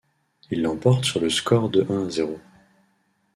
Ils l'emportent sur le score de un à zéro.